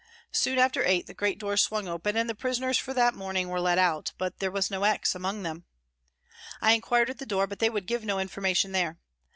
Soon after eight the great doors swung open, and the prisoners for 198 PRISONS AND PRISONERS that morning were let out, but there was no X, among them. I inquired at the door, but they would give no information there.